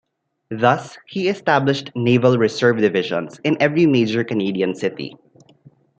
Thus he established Naval Reserve Divisions in every major Canadian city.